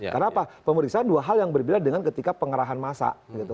karena apa pemeriksaan dua hal yang berbeda dengan ketika pengarahan masa